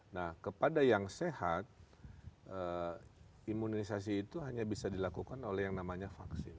nah kepada yang sehat imunisasi itu hanya bisa dilakukan oleh yang namanya vaksin